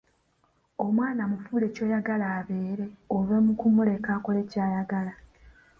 Omwana mufuule kyoyagala abeere ove mukumuleka akole ky'ayagala.